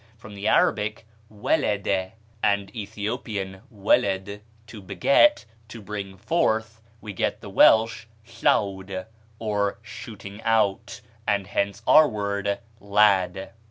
From the Arabic walada and Ethiopian walad, to beget, to bring forth, we get the Welsh llawd, a shooting out; and hence our word lad.